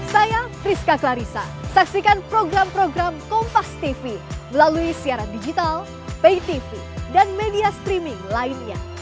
saya rizka klarisa saksikan program program kompastv melalui siaran digital paytv dan media streaming lainnya